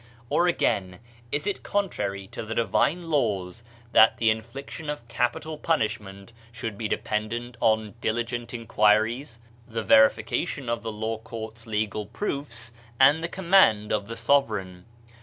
Or again, is it contrary to the divine Laws ■ that the infliction of capital punishment should be dependent on diligent inquiries, the verification of the law courts' legal proofs, and the command of the sovereign?